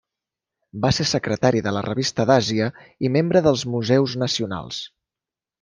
Va ser secretari de la Revista d'Àsia i membre dels Museus Nacionals.